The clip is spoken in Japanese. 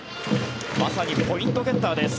まさにポイントゲッターです。